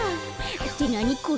ってなにこれ？